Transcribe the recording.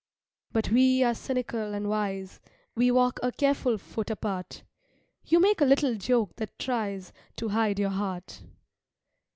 But we are cynical and wise, We walk a careful foot apart, You make a little joke that tries To hide your heart.